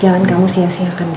jangan kamu sia siakan